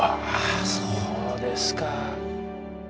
あそうですか。